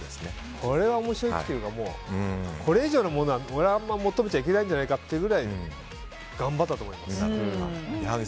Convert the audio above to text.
これは面白いというかこれ以上のものは、俺は求めちゃいけないんじゃないかというぐらい頑張ったと思います。